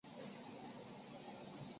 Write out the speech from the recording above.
愈南公家庙的历史年代为清代。